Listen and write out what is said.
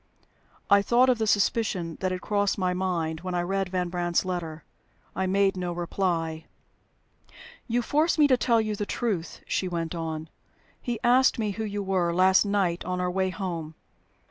I thought of the suspicion that had crossed my mind when I read Van Brandt's letter. I made no reply. "You force me to tell you the truth," she went on. "He asked me who you were, last night on our way home.